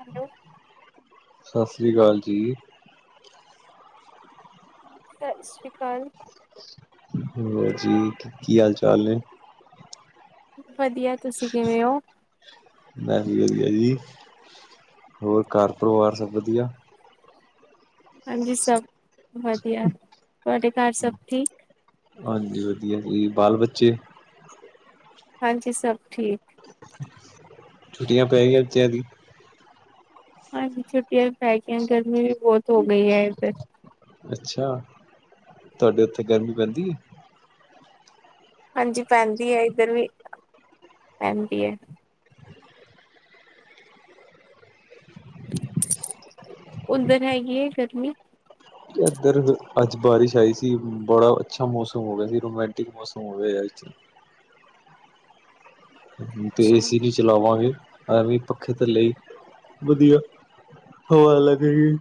Hello. ਸਤਿ ਸ੍ਰੀ ਅਕਾਲ ਜੀ। ਸਤਿ ਸ੍ਰੀ ਅਕਾਲ। ਹੋਰ ਜੀ ਕੀ ਹਾਲ ਚਾਲ ਨੇ? ਵਧੀਆ ਤੁਸੀਂ ਕਿਵੇਂ ਹੋ? ਮੈਂ ਵੀ ਵਧੀਆ ਜੀ, ਹੋਰ ਘਰ ਪਰਿਵਾਰ ਸਭ ਵਧੀਆ। ਹਾਂਜੀ, ਸਭ ਵਧੀਆ, ਤੁਆਡੇ ਘਰ ਸਭ ਠੀਕ। ਅ-ਈ ਬਾਲ ਬੱਚੇ ਹਾਂਜੀ ਸਭ ਠੀਕ। ਛੁੱਟੀਆਂ ਪੈ ਗੀਆਂ ਬੱਚਿਆਂ ਦੀ ਹਾਂਜੀ, ਛੁੱਟੀਆਂ ਪੈ ਗਈਆ, ਗਰਮੀ ਵੀ ਬਹੁਤ ਹੋ ਗਈ ਹੈ ਇੱਧਰ। ਅੱਛਾ, ਤੁਹਾਡੇ ਉੱਥੇ ਗਰਮੀ ਪੈਂਦੀ ਐ। ਹਾਂਜੀ ਪੈਂਦੀ ਐ, ਇੱਧਰ ਵੀ ਪੈਂਦੀ ਐ। ਓਧਰ ਹੈਗੀ ਐ ਗਰਮੀ। ਇਧਰ ਹ-ਅੱਜ ਬਾਰਿਸ਼ ਆਈ ਸੀ, ਬੜਾ ਅੱਛਾ ਮੌਸਮ ਹੋ ਗਿਆ ਸੀ, ਰੋਮਾਂਟਿਕ ਮੌਸਮ ਹੋ ਗਿਆ ਅੱਜ ਤੇ ਏ ਅੱਛਾ, ਸੀ ਵੀ ਚਲਾਵਾਂਗੇ। ਐ ਵੀ ਪੱਖੇ ਥੱਲੇ ਈ ਵਧੀਆ ਹਵਾ ਲੱਗੇਗੀ।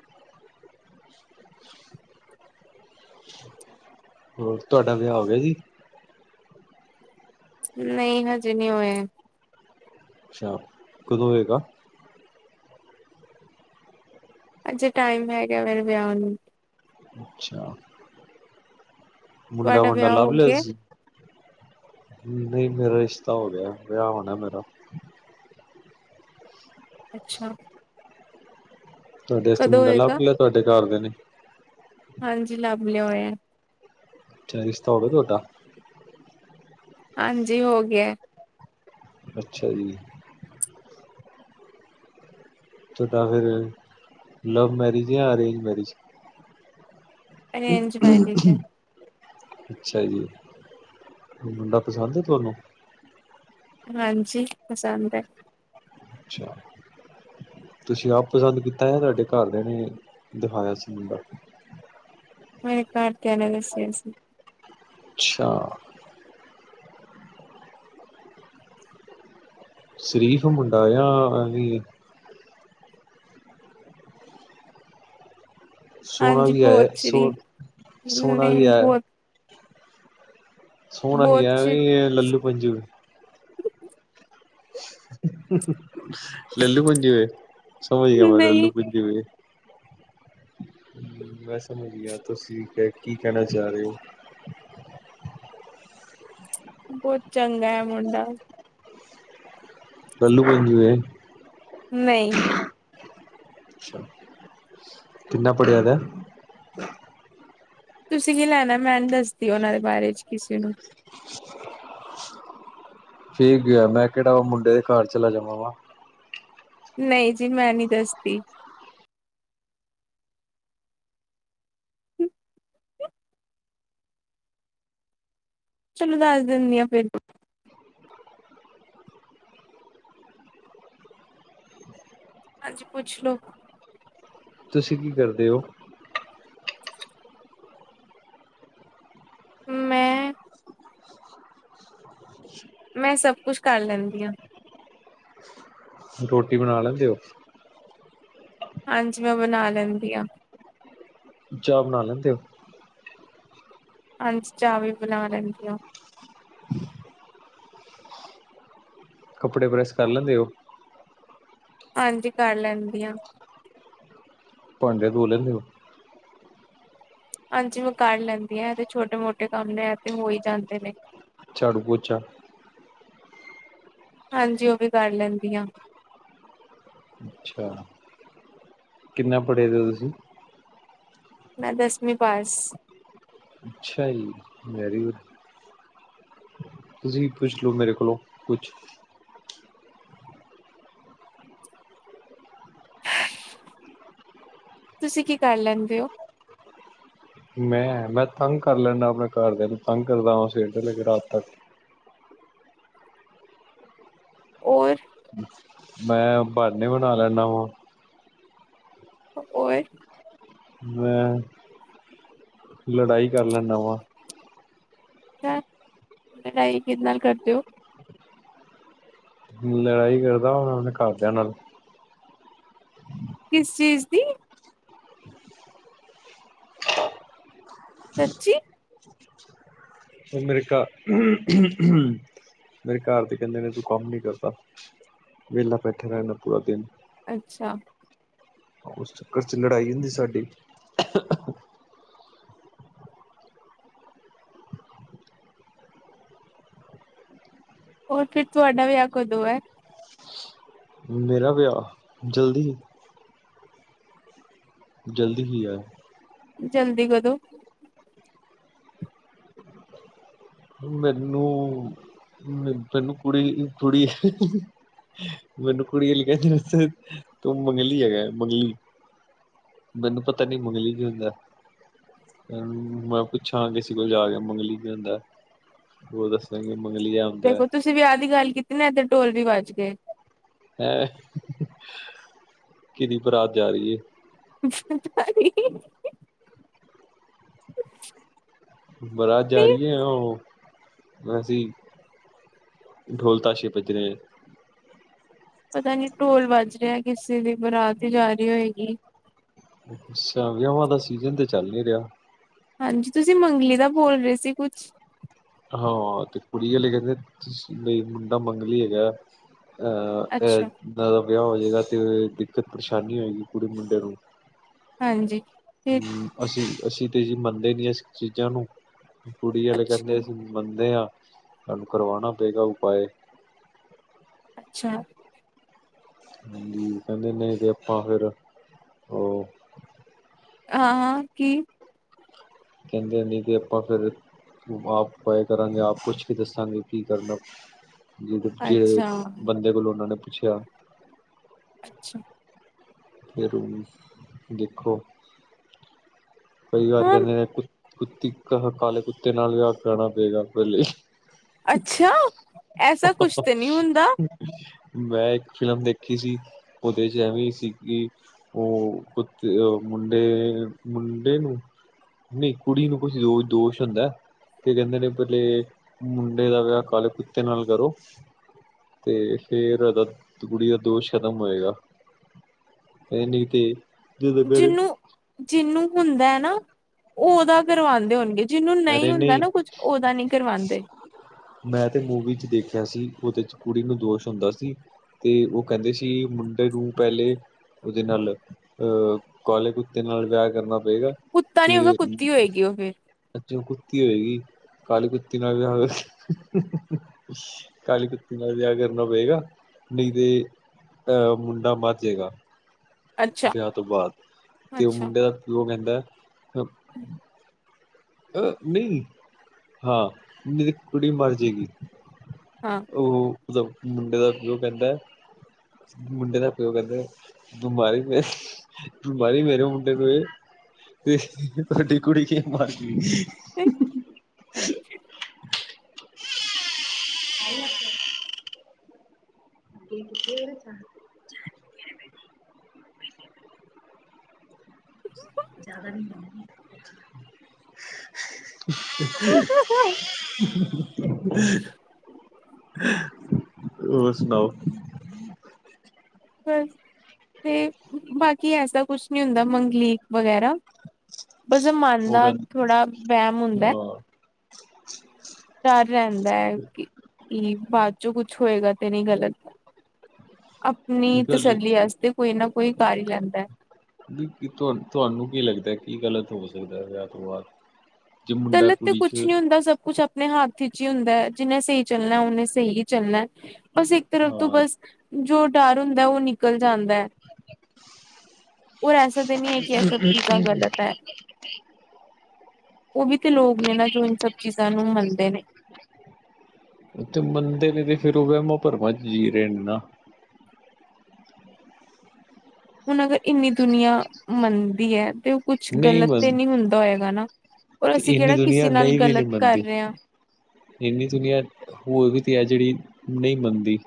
ਹੋਰ ਤੁਆਡਾ ਵਿਆਹ ਹੋ ਗਿਆ ਜੀ। ਨਹੀਂ ਹਜੇ ਨਹੀਂ ਹੋਇਆ। ਅੱਛਾ, ਕਦੋਂ ਹੋਏਗਾ। ਅਜੇ ਟਾਈਮ ਹੈਗਾ, ਮੇਰੇ ਵਿਆਹ ਨੂੰ। ਅੱਛਾ। ਮੁੰਡਾ ਤੁਹਾਡਾ ਮੰਡਾ ਵਿਆਹ ਹੋ ਲਭ ਲਿਆ ਗਿਆ? ਤੁਸੀ, ਨਹੀਂ। ਮੇਰਾ ਰਿਸ਼ਤਾ ਹੋ ਗਿਆ, ਵਿਆਹ ਹੋਣਾ ਮੇਰਾ। ਅੱਛਾ। ਤੁਆਡੇ ਆਸਤੇ ਕਦੋਂ ਮੁੰਡਾ ਹੋਏਗਾ? ਲੱਭ ਲਿਆ, ਤੁਆਡੇ ਘਰ ਦਿਆਂ ਨੇ। ਹਾਂਜੀ ਲੱਭ ਲਿਆ ਹੋਇਆ ਐ। ਅੱਛਾ ਰਿਸ਼ਤਾ ਹੋ ਗਿਆ ਤੁਆਡਾ। ਹਾਂਜੀ ਹੋ ਗਿਐ। ਅੱਛਾ ਜੀ। ਤੁਅਡਾ ਫਿਰ ਲਵ ਮੈਰਿਜ ਜਾਂ ਅਰੇਂਜ ਮੈਰਿਜ? ਅਰੇਂਜ ਮੈਰਿਜ ਹੈ, [unintelligible] ਅੱਛਾ ਜੀ, ਮੁੰਡਾ ਪਸੰਦ ਐ ਤੁਆਨੂੰ? ਹਾਂਜੀ ਪਸੰਦ ਐ। ਅੱਛਾ, ਤੁਸੀਂ ਆਪ ਪਸੰਦ ਕੀਤਾ ਜਾਂ ਤੁਆਡੇ ਘਰਦਿਆਂ ਨੇ ਦਿਖਾਇਆ ਸੀ ਮੁੰਡਾ? ਮੇਰੇ ਘਰ ਦਿਆਂ ਨੇ ਦਸਿਆ ਸੀ। ਅੱਛਾ। ਸ਼ਰੀਫ ਮੁੰਡਾ ਯਾਂ ਐਂਵੀ? ਸੋਣਾ ਹਾਂਜੀ ਵੀ ਐ, ਬਹੁਤ ਸ਼੍ਰੀ ਸੋਣ-ਸੋਹਣਾ ਵੀ ਨਹੀਂ ਐ? ਬਹੁਤ ਸੋਹਣਾ ਵੀ ਬਹੁਤ ਐ, ਸ਼੍ਰੀ ਐਵੀਂ ਲੱਲੂ ਪੰਜੂ ਐ? [unintelligible] ਲਲੂ ਪੰਜੂ ਐ, ਸਮਝ ਗਿਆ ਮੈ ਨਹੀਂ ਲਲੂ ਪੰਜੂ ਐ। ਹਮ ਮੈਂ ਸਮਝ ਗਿਆ ਤੁਸੀ ਕੈ, ਕੀ ਕਹਿਣਾ ਚਾਹ ਰਹੇ ਹੋ। ਬਹੁਤ ਚੰਗਾ ਐ ਮੁੰਡਾ। ਲੱਲੂ ਪੰਜੂ ਐ। ਨਹੀਂ। ਅੱਛਾ, ਕਿੰਨਾ ਪੜਿਆ ਦਾ ਐ। ਤੁਸੀਂ ਕੀ ਲੈਣਾ ਐ, ਮੈਂ ਨਹੀਂ ਦੱਸਦੀ ਉਹਨਾਂ ਦੇ ਬਾਰੇ ਚ ਕਿਸੇ ਨੂੰ। ਠੀਕ ਕਿਆ, ਮੈਂ ਕਿਹੜਾ ਔ ਮੁੰਡੇ ਦੇ ਘਰ ਚਲਾ ਜਾਵਾਂਗਾ। ਨਹੀਂ ਜੀ ਮੈਂ ਨੀ ਦੱਸਦੀ। ਚਲੋ, ਦੱਸ ਦਿੰਦੀ ਆ ਫਿਰ। ਹਾਂਜੀ, ਪੁੱਛ ਲੋ। ਤੁਸੀਂ ਕੀ ਕਰਦੇ ਹੋ? ਮੈਂ ਮੈਂ ਸਭ ਕੁਛ ਕਰ ਲੈਂਦੀ ਹਾਂ। ਰੋਟੀ ਬਣਾ ਲੈਂਦੇ ਹੋ। ਹਾਂਜੀ ਮੈਂ ਬਣਾ ਲੈਂਦੀ ਹਾਂ। ਚਾਹ ਬਣਾ ਲੈਂਦੇ ਹੋ। ਹਾਂਜੀ, ਚਾਹ ਵੀ ਬਣਾ ਲੈਂਦੀ ਹੈ। ਕੱਪੜੇ ਪ੍ਰੈੱਸ ਕਰ ਲੈਂਦੇ ਹੌ। ਹਾਂਜੀ, ਕਰ ਲੈਂਦੀ ਹ। ਭਾੰਡੇ ਧੋ ਲੈਂਦੇ ਹੋ। ਹਾਂਜੀ, ਮੈਂ ਕਰ ਲੈਂਦੀ ਹਾਂ ਇਹ ਛੋਟੇ-ਮੋਟੇ ਕੰਮ ਨੇ ਇਹ ਤਾ ਹੋ ਹੀ ਜਾਂਦੇ ਨੇ। ਚਾੜੂ ਪੋਚਾ। ਹਾਂਜੀ, ਉਹ ਵੀ ਕਰ ਲੈਂਦੀ ਹਾ। ਅੱਛਾ, ਕਿੰਨੇ ਪੜ੍ਹੇਦੇ ਹੋ ਤੁਸੀਂ? ਮੈਂ ਦਸਵੀਂ ਪਾਸ। ਅੱਛਾ ਜੀ, ਵੈਰੀਗੂਡ। ਤੁਸੀਂ ਪੁੱਛ ਲਓ, ਮੇਰੇ ਕੋਲੋਂ ਕੁਛ। ਤੁਸੀਂ ਕੀ ਕਰ ਲੈਂਦੇ ਹੋ? ਮੈਂ-ਮੈਂ ਤੰਗ ਕਰ ਲੈਦਾ, ਆਪਣੇ ਘਰਦਿਆਂ ਨੂੰ ਤੰਗ ਕਰਦਾ ਵਾ ਸਵੇਰ ਤੋ ਲੈ ਕੇ ਰਾਤ ਤੱਕ। ਔਰ। ਮੈਂ ਬਹਨੇ ਬਣਾ ਲੈਂਦਾ ਵਾ ਓਏ। ਮੈਂ ਲੜਾਈ ਕਰ ਲੈਂਦਾ ਵਾਂ। [inaudible] ਲੜਾਈ ਕਿਦੇ ਨਾਲ ਕਰਦੇ ਹੋ? ਲੜਾਈ ਕਰਦਾ ਉਹਨਾ ਦੇ ਘਰਦਿਆਂ ਨਾਲ। ਕਿਸ ਚੀਜ਼ ਦੀ? ਸੱਚੀ। ਉਹ ਮੇਰੇ ਘਰ ਉਹ ਅਹ ਉਹ ਮੇਰੇ ਘਰ ਦੇ ਕਹਿੰਦੇ ਨੇ ਤੂੰ ਕੰਮ ਨੀ ਕਰਦਾ ਵੇਲਾ ਬੈਠਾ ਰਹਿੰਦਾ ਪੂਰਾ ਦਿਨ। ਅੱਛਾ। ਉਸ ਚੱਕਰ ਚ ਲੜਾਈ ਹੁੰਦੀ ਸਾਡੀ। ਹੋਰ, ਫਿਰ ਤੁਹਾਡਾ ਵੀਆਹ ਕਦੋ ਹੈ? ਮੇਰਾ ਵਿਆਹ ਜਲਦੀ। ਜਲਦੀ ਹੀ ਆਏ। ਜਲਦੀ ਕਦੋਂ? ਮੈਨੂੰ -ਮੈਨੂੰ ਕੁੜੀ ਥੋੜੀ, ਮੈਨੂੰ ਕੁੜੀ ਕਹਿੰਦੀ ਤੂੰ ਮੰਗਲੀ ਹੈਗਾ ਮੰਗਲੀ, ਮੈਨੂੰ ਪਤਾ ਨੀ ਮੰਗਲੀ ਕੀ ਹੁੰਦਾ? ਮੈਂ ਪੁੱਛਾਂ ਕਿਸੇ ਕੋਲ ਜਾ ਕੇ ਮੰਗਲੀ ਕੀ ਹੁੰਦਾ? ਉਹ ਦੱਸਾਂਗੇ। ਮੰਗਲੀਆ ਹੁੰਦਾ ਦੇਖੋ, ਤੁਸੀਂ ਵਿਆਹ ਦੀ ਗੱਲ ਕੀਤੀ ਨਾ ਇੱਧਰ ਢੋਲ ਵੀ ਵੱਜ ਗਏ। ਹੈਂ, ਕਿਦੀ ਬਰਾਤ ਜਾ ਰਹੀ ਹੈ? [unintelligible] ਬਰਾਤ ਜਾ ਰਹੀ ਹੈ ਉਹ ਵੈਸੀਂ, ਢੋਲ-ਤਾਸ਼ੇ ਭੱਜਰੇ ਪਤਾ ਨਹੀ, ਢੋਲ ਵੱਜ ਰਿਹਾ ਕਿਸੇ ਦੀ ਬਰਾਤ ਤੇ ਜਾਰਹੀ ਹੋਏਗੀ। ਅੱਛਾ, ਵਿਆਾਵਾਂ ਦਾ ਸੀਜਨ ਤੇ ਚੱਲ ਨੀ ਰਿਹਾ। ਹਾਂਜੀ ਤੁਸੀਂ, ਮੰਗਲੀ ਦਾ ਬੋਲ ਰਹੇ ਸੀ ਕੁਛ। ਹਾਂ, ਤੇ ਕੁੜੀ ਵਾਲੇ ਬਈ ਕਹਿੰਦੇ ਮੁੰਡਾ ਮੰਗਲੀ ਹੈਗਾ। ਅਹ ਅੱਛਾ ਇਦਾ ਦਾ ਵਿਆਹ ਹੋਵੇ। ਇਹਦਾ ਤਾਂ ਦਿੱਕਤ ਪਰੇਸ਼ਾਨੀ ਹੋਗੀ ਕੁੜੀ ਮੁੰਡੇ ਨੂੰ। ਹਾਂਜੀ ਫਿਰ ਹਮ ਅਸੀਂ ਅਸੀ ਅਤੇ ਜੀ ਮੰਨਦੇ ਨਹੀਂ ਇਸ ਚੀਜ਼ਾਂ ਨੂੰ ਕੁੜੀ ਆਲੇ ਅੱਛਾ ਕਦੇ ਅਸੀਂ ਮੰਨਦੇ ਹਾਂ। ਤਾਨੂੰ ਕਰਵਾਉਣਾ ਪਏਗਾ ਉਪਾਏ। ਅੱਛਾ। ਕਹਿੰਦੇ ਨਹੀਂ ਤੇ ਆਪਾਂ ਫਿਰ ਉਹ ਹਾਂ ਕੀ। ਕਹਿੰਦੇ ਨਹੀਂ, ਕਿ ਆਪਾਂ ਫਿਰ ਉਪਾ ਉਪਾਏ ਕਰਾਂਗੇ ਆਪ ਕੁਛ ਵੀ ਦੱਸਾਂਗੇ ਕੀ ਕਰਨਾ। ਜ ਜਿਹ ਅੱਛਾ ਬੰਦੇ ਕੋਲੋਂ ਉਹਨਾਂ ਨੇ ਅੱਛਾ। ਅੱਛਾ। ਫ਼ੇਰ ਦੇਖੋ। ਕਈ ਵਾਰ ਹਾਂ ਕਹਿੰਦੇ ਨੇ ਕੁਛ ਕੁੱਤੀ ਕ ਕਾਲੇ ਕੁੱਤੇ ਨਾਲ ਵੀਆ ਕਰਾਣਾ ਪਏਗਾ ਪਹਿਲੇ। ਅੱਛਾ! ਐਸਾ ਕੁਛ ਤੇ ਨਹੀ ਹੁੰਦਾ। ਮੈਂ ਇੱਕ ਫਿਲਮ ਦੇਖੀ ਸੀ, ਉਹਦੇ ਚ ਐਵੇਂ ਸੀ ਕਿ ਉਹ ਕੁੱਤੇ ਆ ਮੁੰਡੇ ਮੁ ਮੁਡੇ ਨੂੰ, ਨਹੀਂ ਕੁੜੀ ਨੂੰ ਕੁਛ ਦੋ ਦੋਸ਼ ਹੁੰਦਾ, ਤੇ ਕਹਿੰਦੇ ਨੇ ਪਹਿਲੇ ਮੁੰਡੇ ਦਾ ਵਿਆਹ ਕਾਲੇ ਕੁੱਤੇ ਨਾਲ ਕਰੋ, ਤੇ ਫੇਰ ਉਹਦਾ ਕੁੜੀ ਦਾ ਦੋਸ਼ ਖਤਮ ਹੋਏਗਾ। ਇਹ ਨਹੀਂ ਤੇ ਜਦੋਂ ਕਰ ਜਿਹਨੂੰ ਜਿਹਨੂੰ ਹੁੰਦਾ ਹੈ ਨਾ ਉਹ ਉਹਦਾ ਕਰਵਾਉਂਦੇ ਹੋਣਗੇ। ਜਿਹਨੂੰ ਅਰੇ ਹੁੰਦਾ ਨਹੀਂ, ਨਾ ਕੁੱਝ ਉਹਦਾ ਨਹੀਂ ਕਰਵਾਉਂਦੇ ਮੈਂ ਤੇ ਮੂਵੀ ਚ ਦੇਖਿਆ ਸੀ। ਉਹਦੇ ਚ ਕੁੜੀ ਨੂੰ ਦੋਸ਼ ਹੁੰਦਾ ਸੀ ਤੇ ਉਹ ਕਹਿੰਦੇ ਸੀ, ਮੁੰਡੇ ਨੂੰ ਪਹਿਲੇ ਉਹਦੇ ਨਾਲ ਅਹ ਕਾਲੇ ਕੁੱਤੇ ਨਾਲ ਵਿਆਹ ਕਰਨਾ ਪ ਕੁੱਤਾ ਨੀ ਹੋਗਾ, ਕੁੱਤੀ ਹੋਏਗੀ ਉਹ ਫੇਿਰ ਜ ਕੁੱਤੀ ਹੋਏਗੀ, ਕਾਲੀ ਕੁੱਤੀ ਨਾਲ ਵਿਆਹ ਕਰ ਕਾਲੀ ਕੁੱਤੀ ਨਾਲ ਵਿਆਹ ਕਰਨਾ ਪਏਗਾ, ਨਹੀਂ ਤੇ ਅਹ ਮੁੰਡਾ ਮਰ ਜੇਗਾ। ਅੱਛਾ ਵਿਆਹ ਤੋਂ ਬਾਅਦ, ਤੇ ਉਹ ਅੱਛਾ ਮੁੰਡੇ ਦਾ ਪਿਓ ਕਹਿੰਦਾ ਹ ਅ, ਨਹੀਂ ਹਾਂ ਨਹੀ ਤੇ ਕੁੜੀ ਮਰ ਜੇਗੀ। ਹਾਂ ਉਹ ਮੁੰਡੇ ਦਾ ਪਿਓ ਕਹਿੰਦਾ, ਮੁੰਡੇ ਦਾ ਪਿਓ ਕਹਿੰਦਾ ਬਿਮਾਰੀ ਮ ਬਮਾਰੀ ਮੇਰੇ ਮੁੰਡੇ ਨੂੰ ਐ, ਤੇ ਤੁਹਾਡੀ ਕੁੜੀ ਕੀ ਮਾਰਦ [inaudible] ਗੀ ਹੈ। [inaudible] [unintelligible] ਹਾਂ ਹਾਂ ਹੋਰ ਸੁਣਾਓ। ਬਸ ਤੇ ਬਾਕੀ ਐਸਾ ਕੁਛ ਨੀ ਹੁੰਦਾ ਮੰਗਲੀਕ ਵਗੈਰਾ। ਬਸ ਐ ਮਨ ਉਹ ਦਾ ਕਹਿੰਦਾ ਥੋੜਾ ਵਹਿਮ ਹੁੰਦਾ। ਹਾਂ ਚ ਰਹਿੰਦਾ ਕੀ ਬਾਅਦ ਚੋਂ ਕੁਛ ਹੋਏਗਾ ਤੇ ਨਹੀਂ ਗਲਤ ਅਪ ਨੀਂਹ ਗੱਲ ਤਸੱਲੀ ਆਸਤੇ ਕੋਈ ਨਾ ਕੋਈ ਕਰ ਹੀ ਲੈਂਦਾ ਹੈ। ਵੀ ਤੁਹਾਨੂੰ ਤੁਹਾਨੂੰ ਕੀ ਲੱਗਦਾ ਕੀ ਗਲਤ ਹੋ ਸਕਦਾ ਵਿਆਹ ਤੋਂ ਬਾਅਦ? ਜੇ ਮੁੰਡਾ ਗਲਤ ਤੇ ਕੁੜੀ ਕੁਛ ਚ ਨੀ ਹੁੰਦਾ ਸਭ ਕੁਛ ਆਪ ਆਪਣੇ ਹੱਥ ਚ ਹੀ ਹੁੰਦਾ ਜਿੰਨੇ ਸਹੀ ਚੱਲਣਾ, ਉਹਨੇ ਸਹੀ ਹੀ ਚੱਲਣਾ। ਬਸ ਇੱਕ ਤਰਫ ਤੂੰ ਹਾਂ ਬਸ ਜੋ ਡਰ ਹੁੰਦਾ ਉਹ ਨਿਕਲ ਜਾਂਦਾ, ਔਰ ਐਸਾ ਤਾਂ ਨੀ ਹੈ ਕਿ ਇਹ ਸਭ ਚੀਜ਼ਾਂ ਗਲਤ ਹੈ। ਉਹ ਵੀ ਤੇ ਲੋਕ ਨੇ ਨਾ ਜੋ ਇਨ ਸਭ ਚੀਜ਼ਾਂ ਨੂੰ ਮੰਨਦੇ ਨੇ। ਉਥੇ ਮੰਦੇ ਨੇ ਤੇ ਫਿਰ ਉਹ ਵਹਿਮਾਂ ਭਰਮਾਂ ਚ ਜੀ ਰਹੇ ਨੇ ਨਾ। ਹੁਣ ਅਗਰ ਇੰਨੀ ਦੁਨੀਆਂ ਮੰਨਦੀ ਹੈ। ਤੇ ਉਹ ਕੁਛ ਨਹੀਂ ਗਲਤ ਬਸ ਤੇ ਨਹੀਂ ਹੁੰਦਾ ਹੋਏਗਾ ਨਾ ਔਰ ਅਸੀਂ ਇਹਨੀ ਕਿਹੜਾ ਦੁਨੀਆ ਕਿਸੇ ਨਾਲ ਨਹੀਂ ਵੀ ਨਹੀਂ ਗਲਤ ਕਰ ਮੰਨਦੀ ਰਹੇ ਹਾਂ ਤੇ ਇਨੀ ਦੁਨੀਆਂ ਬੋਲਦੀ ਤਾ ਹੈ ਜਿਹੜੀ ਨਹੀਂ ਮੰਨਦੀ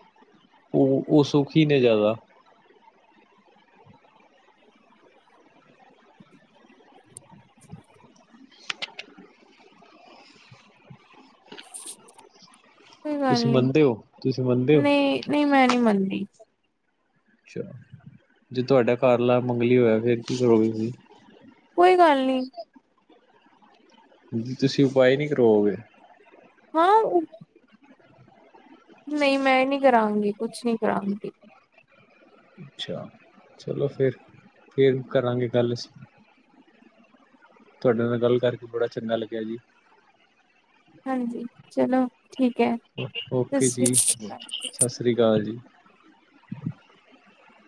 ਉਹ ਉਹ ਸੁਖੀ ਹੀ ਨੇ ਜ਼ਿਆਦਾ। ਕੋਈ ਗੱਲ ਤੁਸੀਂ ਨੀ ਮੰਨਦੇ ਹੋ ਤੁਸੀਂ ਮੰਨਦੇ ਹੋ ਨਹੀਂ ਨਹੀਂ ਮੈਂ ਨਹੀਂ ਮੰਨਦੀ। ਅੱਛਾ ਜੇ ਤੁਹਾਡਾ ਘਰਵਾਲਾ ਮੰਗਲੀ ਹੋਇਆ ਫਿਰ ਕੀ ਕਰੋਗੇ ਤੁਸੀਂ। ਕੋਈ ਗੱਲ ਨੀ। ਜ ਤੁਸੀਂ ਉਪਾਅ ਨਹੀਂ ਕਰਵਾਓਗੇ। ਹਾਂ। ਨਹੀਂ ਮੈਂ ਨਹੀਂ ਕਰਾਂਗੀ ਕੁਛ ਨਹੀਂ ਕਰਾਊਂਗੀ। ਅੱਛਾ ਚਲੋ ਫਿਰ ਫਿਰ ਕਰਾਂਗੇ ਗੱਲ ਅਸੀਂ। ਤੁਹਾਡੇ ਨਾਲ ਗੱਲ ਕਰਕੇ ਬੜਾ ਚੰਗਾ ਲੱਗਿਆ ਜੀ। ਹਾਂਜੀ ਚਲੋ। ਠੀਕ ਹੈ ਸਤਿ ਓਕੇ ਜੀ ਸ਼੍ਰੀ ਅਕਾਲ ਸਤਿ ਸ੍ਰੀ ਅਕਾਲ ਜੀ।